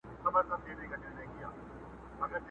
لا تیاره وه په اوږو یې ساه شړله.!